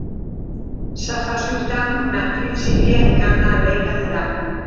Safa Sultan, una actriz siria, encarna a Leila Mourad.